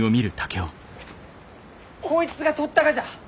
こいつがとったがじゃ！